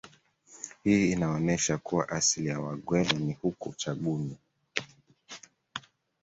Hii inaonesha kuwa asili ya Wagweno ni huko Uchagani